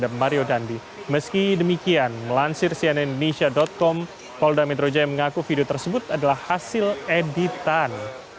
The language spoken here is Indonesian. polda metro jaya mengaku video tersebut adalah hasil editan